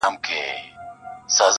راباندي گرانه خو يې,